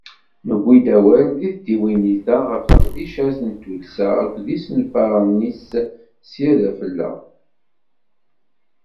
Newwi-d awal deg tdiwennit-a ɣef leqdicat n tuddsa akked yisenfaren-is sya d afella.